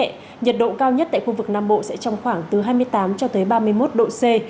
nhiệt độ cao nhất tại khu vực nam bộ sẽ trong khoảng từ hai mươi tám cho tới ba mươi một độ c